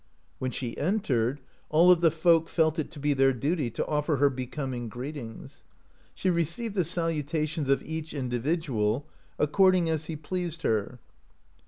When she entered, all of the folk felt it to be their duty to offer her becoming greetings. She received the salu tations of each individual according as he pleased her.